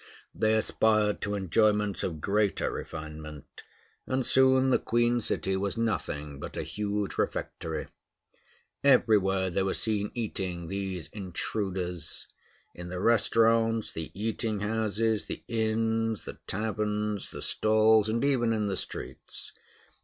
They aspired to enjoyments of greater refinement; and soon the Queen City was nothing but a huge refectory. Everywhere they were seen eating, those intruders in the restaurants, the eating houses, the inns, the taverns, the stalls, and even in the streets.